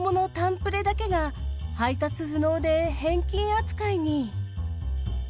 プレだけが配達不能で返金扱いに。